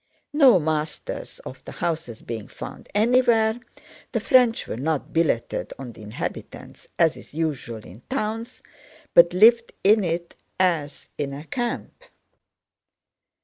No masters of the houses being found anywhere, the French were not billeted on the inhabitants as is usual in towns but lived in it as in a camp.